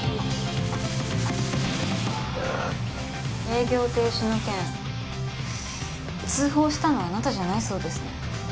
営業停止の件通報したのはあなたじゃないそうですね。